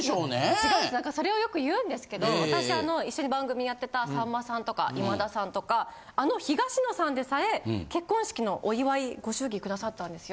違うそれをよく言うんですけど私一緒に番組やってたさんまさんとか今田さんとかあの東野さんでさえ結婚式のお祝いご祝儀くださったんですよ。